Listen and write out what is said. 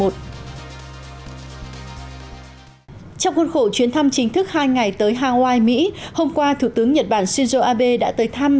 trong khuôn khổ chuyến thăm chính thức hai ngày tới hawaii mỹ hôm qua thủ tướng nhật bản shinzo abe đã tới thăm